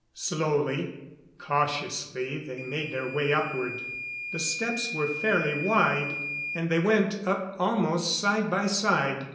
Slowly, cautiously they made their way upward. The steps were fairly wide, and they went up almost side by side.